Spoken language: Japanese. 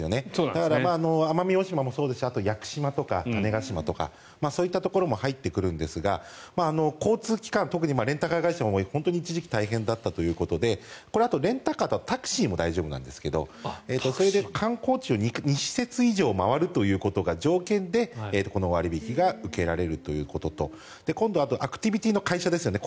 だから、奄美大島もそうですしあと屋久島とか種子島とかそういったところも入ってくるんですが交通機関特にレンタカー会社も本当に一時期大変だったということであとはこれ、レンタカーとタクシーも大丈夫なんですが観光地を２施設以上回ることが条件で、この割引が受けられるということと今度はアクティビティーの会社ですよね。